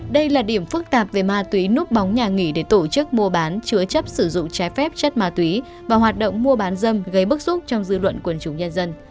đây là điểm phức tạp về ma túy núp bóng nhà nghỉ để tổ chức mua bán chứa chấp sử dụng trái phép chất ma túy và hoạt động mua bán dâm gây bức xúc trong dư luận quần chúng nhân dân